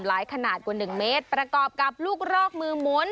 หลายขนาดกว่าหนึ่งเมตรประกอบกับลูกรอกมือหมุน